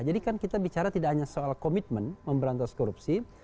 jadi kan kita bicara tidak hanya soal komitmen memberantas korupsi